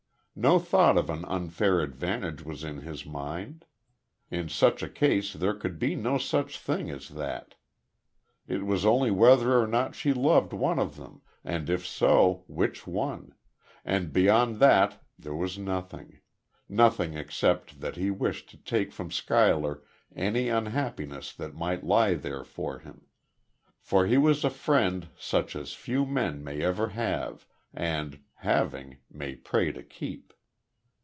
No thought of an unfair advantage was in his mind. In such a case there could be no such thing as that. It was only whether or not she loved one of them, and if so, which one; and beyond that there was nothing nothing except that he wished to take from Schuyler any unhappiness that might lie there for him. For he was a friend such as few men may ever have and, having, may pray to keep.